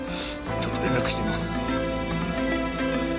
ちょっと連絡してみます。